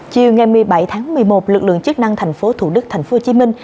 chiều ngày một mươi bảy tháng một mươi một lực lượng chức năng thành phố thủ đức thành phố hồ chí minh